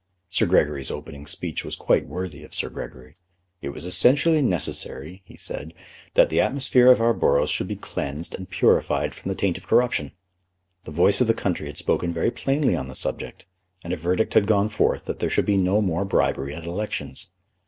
Sir Gregory's opening speech was quite worthy of Sir Gregory. It was essentially necessary, he said, that the atmosphere of our boroughs should be cleansed and purified from the taint of corruption. The voice of the country had spoken very plainly on the subject, and a verdict had gone forth that there should be no more bribery at elections.